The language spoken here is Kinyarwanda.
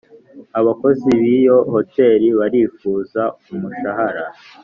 Abakozi b’iyo hotel barifuza umushahara